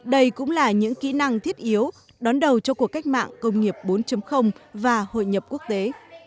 đây cũng là những kỹ năng thiết yếu đón đầu cho cuộc cách mạng công nghiệp bốn và hội nhập quốc tế